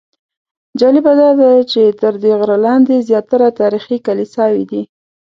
جالبه داده چې تر دې غره لاندې زیاتره تاریخي کلیساوې دي.